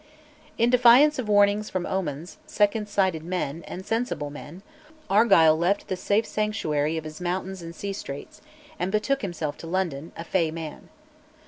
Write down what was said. In defiance of warnings from omens, second sighted men, and sensible men, Argyll left the safe sanctuary of his mountains and sea straits, and betook himself to London, "a fey man."